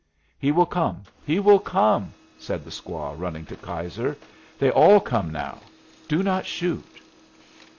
"He will come, he will come!" said the squaw, running to Keyser. "They all come now. Do not shoot."